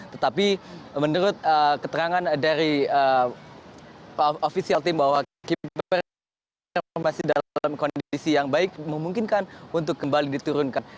tetapi menurut keterangan dari ofisial team bahwa keeper masih dalam kondisi yang baik memungkinkan untuk kembali diturunkan